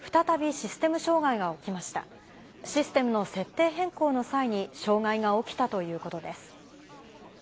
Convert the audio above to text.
システムの設定変更の際に障害が起きたということです。